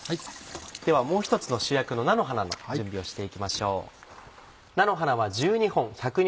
ではもう一つの主役の菜の花の準備をしていきましょう。